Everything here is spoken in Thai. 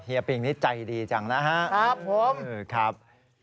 ปิงนี่ใจดีจังนะครับผมครับ